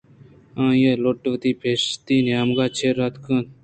آئی ءَ لٹ وتی پُشتی نیمگ ءَ چیر داتگ اَت